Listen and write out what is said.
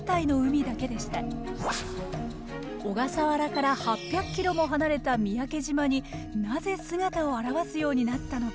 小笠原から８００キロも離れた三宅島になぜ姿を現すようになったのか？